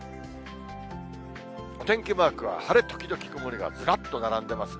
お天気マークは晴れ時々曇りがずらっと並んでいますね。